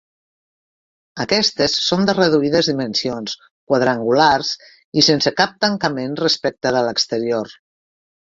Aquestes són de reduïdes dimensions, quadrangulars i sense cap tancament respecte de l'exterior.